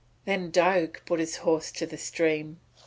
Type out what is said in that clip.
Then Diuk put his horse to the stream.